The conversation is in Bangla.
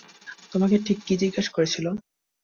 তোমাকে ঠিক কী জিজ্ঞাসা করেছিল?